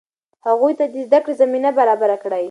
هغوی ته د زده کړې زمینه برابره کړئ.